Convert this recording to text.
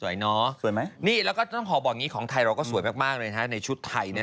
สวยไหมนี่แล้วก็ต้องขอบอกอย่างนี้ของไทยเราก็สวยมากเลยนะในชุดไทยเนี่ย